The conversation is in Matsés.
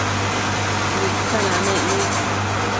Mitsina nëid nec